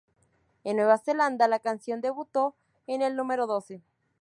En Nueva Zelanda la canción debuto en el número doce.